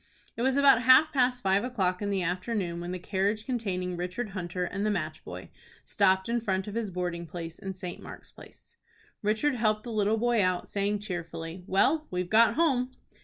It was about half past five o'clock in the afternoon when the carriage containing Richard Hunter and the match boy stopped in front of his boarding place in St. Mark's Place. Richard helped the little boy out, saying, cheerfully, "Well, we've got home."